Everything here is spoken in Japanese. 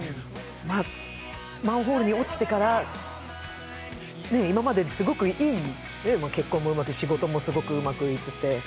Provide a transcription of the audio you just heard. マンホールに落ちてから、今まですごくいい結婚もうまくいってて、仕事もすごくうまくいってて。